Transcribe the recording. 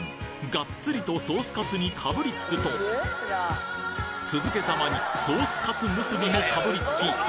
ガッツリとソースカツにかぶりつくと続けざまにソースかつむすびもかぶりつき